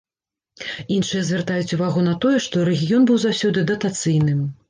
Іншыя звяртаюць увагу на тое, што рэгіён быў заўсёды датацыйным.